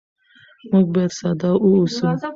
موږ باید ساده واوسو.